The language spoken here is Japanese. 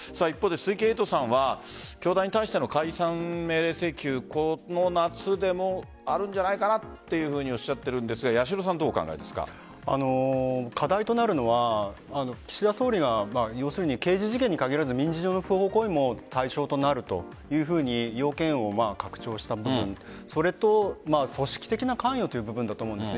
一方で、鈴木エイトさんは教団に関しての解散命令請求この夏にもあるんじゃないかとおっしゃっているんですが課題となるのは岸田総理が要するに刑事事件に限らず民事事件にも対象にもなると、要件を拡張した組織的な関与という部分だと思うんです。